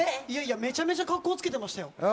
いやいや、めちゃめちゃかっこつけてましたよ。